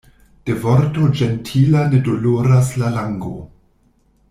De vorto ĝentila ne doloras la lango.